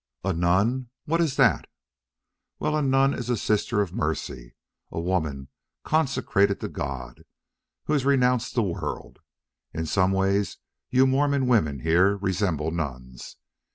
"A nun? What is that?" "Well a nun is a sister of mercy a woman consecrated to God who has renounced the world. In some ways you Mormon women here resemble nuns.